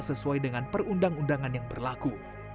sesuai dengan perundang undangan yang berlaku